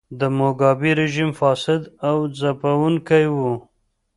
د موګابي رژیم فاسد او ځپونکی و.